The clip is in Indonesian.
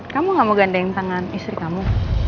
kamu gak mau gandeng tangan istri kamu